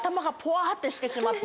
ってしてしまって。